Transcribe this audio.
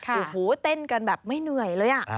โอ้โหเต้นกันแบบไม่เหนื่อยเลย